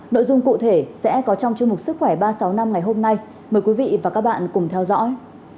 nội dung cụ thể sẽ có trong chương mục sức khỏe ba trăm sáu mươi năm ngày hôm nay mời quý vị và các bạn cùng theo dõi